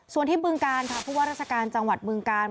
ส่วนที่บึงการค่ะผู้ว่าราชการจังหวัดบึงกาล